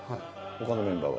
ほかのメンバーは。